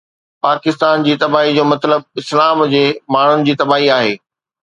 پاڪستان جي تباهي جو مطلب اسلام جي ماڻهن جي تباهي آهي.